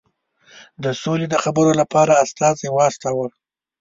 د سولي د خبرو لپاره استازی واستاوه.